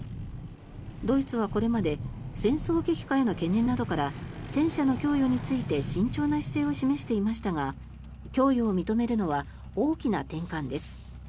ドイツはこれまで戦争激化への懸念などから戦車の供与について慎重な姿勢を示していましたが供与を認めるのは大きな転換です。